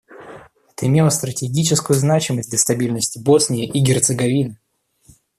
Это имело стратегическую значимость для стабильности в Боснии и Герцеговине.